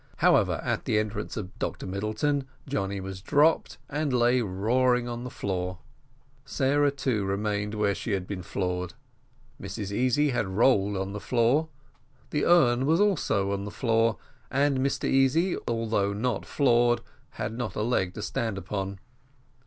However, at the entrance of Dr Middleton, Johnny was dropped, and lay roaring on the floor; Sarah, too, remained where she had been floored, Mrs Easy had rolled on the floor, the urn was also on the floor, and Mr Easy, although not floored, had not a leg to stand upon.